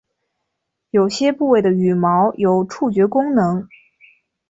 有些部位的羽毛有触觉功能。